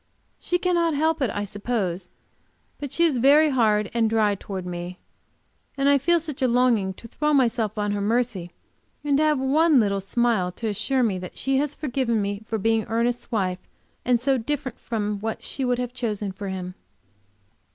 She cannot help it, I suppose, but she is very hard and dry towards me, and I feel such a longing to throw myself on her mercy, and to have one little smile to assure me that she has forgiven me for being Ernest's wife, and so different from what she would have chosen for him.